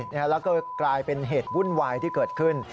แล้วก็กลายเป็นเหตุวุ่นวายที่เกิดขึ้น